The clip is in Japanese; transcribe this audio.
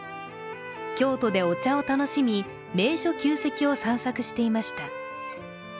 京都でお茶を楽しみ、名所・旧跡を散策していました。